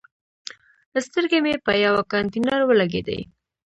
سترګې مې په یوه کانتینر ولګېدې.